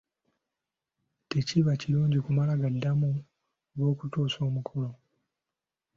Tekiba kirungi kumala gaddamu olw'okutuusa omukolo!